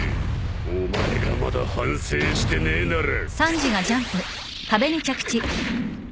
お前がまだ反省してねえならうっ！